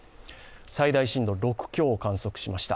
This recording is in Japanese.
最大震度６強を観測しました。